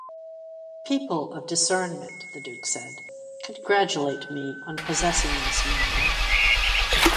"People of discernment," the duke said, "congratulate me on possessing this man.